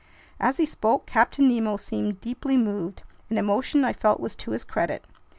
As he spoke, Captain Nemo seemed deeply moved, an emotion I felt was to his credit.